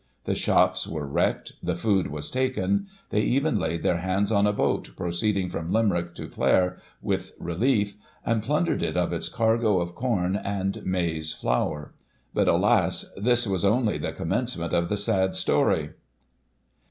The shops were wrecked, the food was taken ; they even laid their hands on a boat proceeding from Limerick to Clare with relief, and pltmdered it of its cargo of com and maize flour. But, alas! this was only the commencement of the sad story.